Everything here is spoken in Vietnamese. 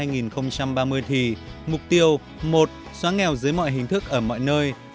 năm hai nghìn ba mươi thì mục tiêu một xóa nghèo dưới mọi hình thức ở mọi nơi